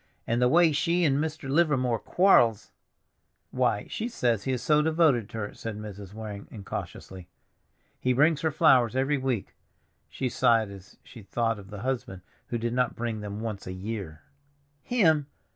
And the way she and Mr. Livermore quar'ls!" "Why, she says he is so devoted to her," said Mrs. Waring incautiously. "He brings her flowers every week." She sighed as she thought of the husband who did not bring them once a year. "Him!